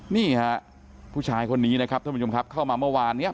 นี่ฮะผู้ชายคนนี้นะครับท่านผู้ชมครับเข้ามาเมื่อวานเนี่ย